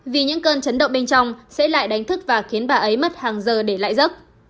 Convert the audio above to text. vì những cơn chấn động bên trong sẽ lại đánh thức và khiến bà ấy mất hàng giờ để lại giấc